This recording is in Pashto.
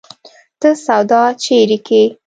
ته سودا چيري کيې؟